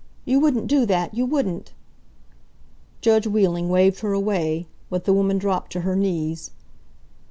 You wouldn't do that you wouldn't " Judge Wheeling waved her away. But the woman dropped to her knees.